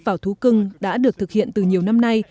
vào thú cưng đã được thực hiện từ nhiều năm nay